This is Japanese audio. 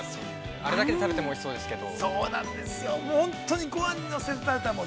あれだけで食べてもおいしそうですけど。